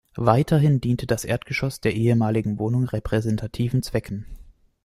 Weiterhin diente das Erdgeschoss der ehemaligen Wohnung repräsentativen Zwecken.